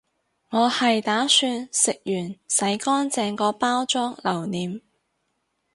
我係打算食完洗乾淨個包裝留念